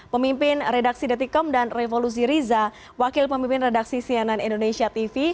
pemimpin redaksi daticom dan revo luzi riza wakil pemimpin redaksi cnn indonesia tv